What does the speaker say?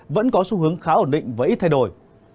vẫn có xu hướng khá ổn định và ít thay đổi